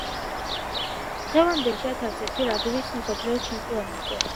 დღევანდელ დღემდე მათ არ უთამაშიათ არცერთ რაგბის მსოფლიო ჩემპიონატზე.